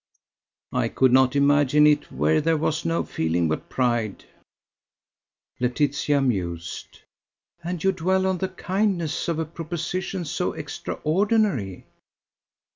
"I could not imagine it where there was no feeling but pride." Laetitia mused. "And you dwell on the kindness of a proposition so extraordinary!"